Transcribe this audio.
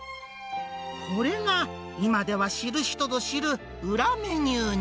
これが今では知る人ぞ知る裏メニューに。